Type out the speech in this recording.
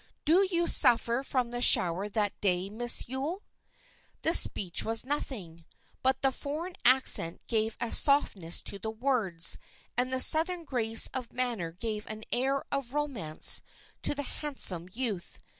Did you suffer from the shower that day, Miss Yule?" The speech was nothing, but the foreign accent gave a softness to the words, and the southern grace of manner gave an air of romance to the handsome youth.